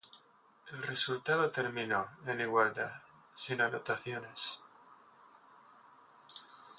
El resultado terminó en igualdad sin anotaciones.